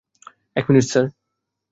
এক minute sir.